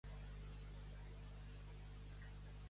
A porc gros, unta-li el cul amb oli.